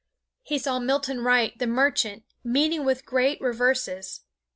He saw Milton Wright, the merchant, meeting with great reverses.